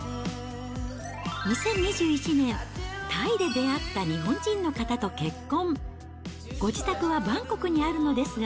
２０２１年、タイで出会った日本人の方と結婚。